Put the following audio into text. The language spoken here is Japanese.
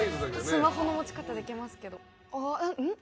スマホの持ち方できますけどあーえっうん？